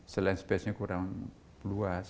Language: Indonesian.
selain spesinya kurang luas